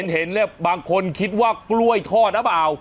เห็นเนี่ยบางคนคิดว่ากล้วยทอดหรือเปล่า